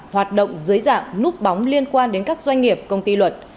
hoạt động dưới dạng núp bóng liên quan đến các doanh nghiệp công ty luật